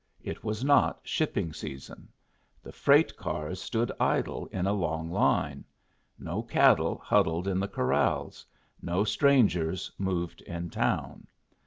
It was not shipping season. The freight cars stood idle in a long line. No cattle huddled in the corrals. No strangers moved in town.